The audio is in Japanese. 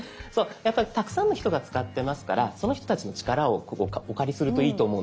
やっぱりたくさんの人が使ってますからその人たちの力をお借りするといいと思うんです。